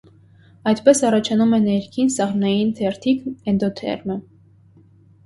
Այդպես առաջանում է ներքին սաղմնային թերթիկն՝ էնտոդերմը։